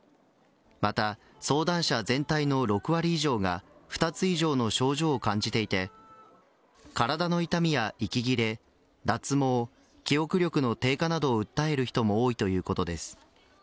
また、相談者全体の６割以上が２つ以上の症状を感じていて体の痛みや息切れ脱毛記憶力の低下などを訴える人も多いということです。